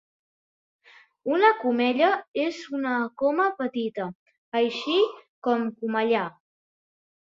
Una comella és una coma petita, així com comellar.